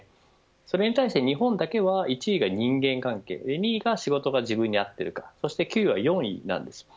それに対して日本だけは１位が人間関係で２位が仕事が自分に合っているかそして給与は４位なんです。